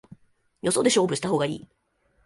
よそで勝負した方がいい